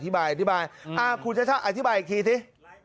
ไงคุณชชาอธิบายอีกที